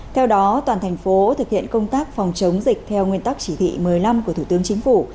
theo đó toàn thành phố thực hiện công tác phòng chống dịch theo nguyên tắc chỉ thị một mươi năm của thủ tướng chính phủ